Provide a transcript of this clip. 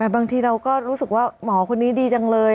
บางทีเราก็รู้สึกว่าหมอคนนี้ดีจังเลย